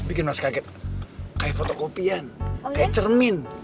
bikin mas kaget kayak fotokopian kayak cermin